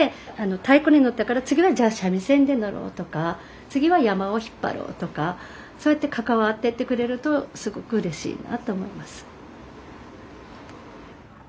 太鼓にのったから次はじゃあ三味線でのろうとか次は山車を引っ張ろうとかそうやって関わってってくれるとすごくうれしいなあと思います。